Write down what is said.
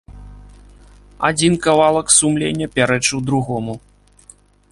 Адзін кавалак сумлення пярэчыў другому.